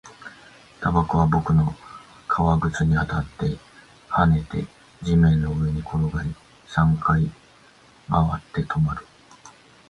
タバコは僕の革靴に当たって、跳ねて、地面の上に転がり、三回回って、止まる